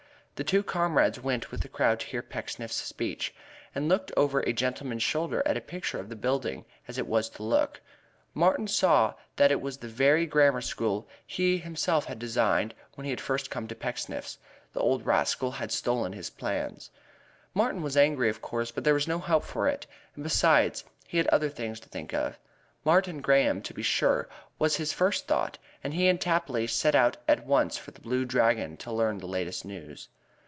The two comrades went with the crowd to hear Pecksniff's speech, and looking over a gentleman's shoulder at a picture of the building as it was to look, Martin saw that it was the very grammar school he himself had designed when he had first come to Pecksniff's. The old rascal had stolen the plans! Martin was angry, of course, but there was no help for it, and besides he had other things to think of. Mary Graham, to be sure, was his first thought, and he and Tapley set out at once for The Blue Dragon to learn the latest news.